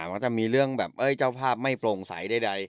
มันจะมีเรื่องแบบเจ้าภาพไม่โปร่งใสใด